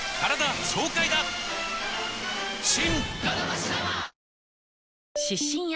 新！